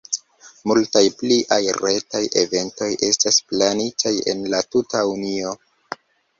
Multaj pliaj retaj eventoj estas planitaj en la tuta Unio.